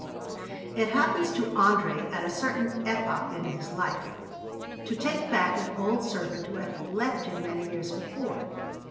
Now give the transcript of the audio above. It happens to André, at a certain epoch in his life, to take back an old servant who had left him many years before.